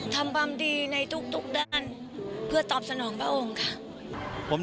สวัสดีครับ